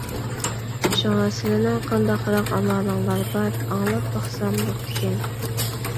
شۇڭا سىلنىڭ قانداقراق ئامالىڭلار بار ئاڭلاپ باقسام بوپتىكەن!